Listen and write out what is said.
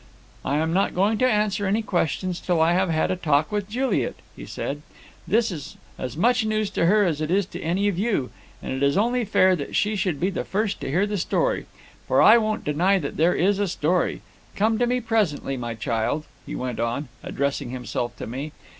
'I am not going to answer any questions till I have had a talk with Juliet,' he said. 'This is as much news to her as it is to any of you, and it is only fair that she should be the first to hear the story. For I won't deny that there is a story. Come to me presently, my child,' he went on, addressing himself to me.